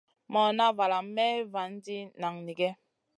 Morna valam Mey vanti nanigue.